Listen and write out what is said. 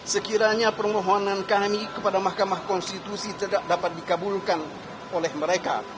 sekiranya permohonan kami kepada mahkamah konstitusi tidak dapat dikabulkan oleh mereka